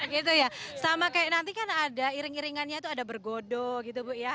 gitu ya sama kayak nanti kan ada iring iringannya itu ada bergodo gitu bu ya